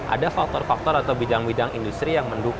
ada faktor faktor atau bidang bidang industri yang mendukung